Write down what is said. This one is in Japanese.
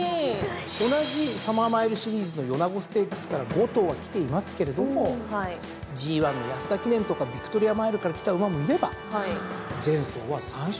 同じサマーマイルシリーズの米子ステークスから５頭はきていますけれどもＧⅠの安田記念とかヴィクトリアマイルからきた馬もいれば前走は３勝クラス。